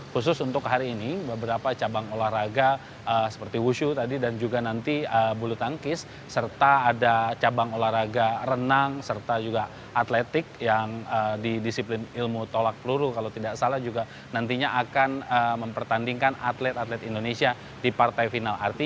khusus untuk hari ini beberapa cabang olahraga seperti wushu tadi dan juga nanti bulu tangkis serta ada cabang olahraga renang serta juga atletik yang di disiplin ilmu tolak peluru kalau tidak salah juga nantinya akan mempertandingkan atlet atlet indonesia di partai final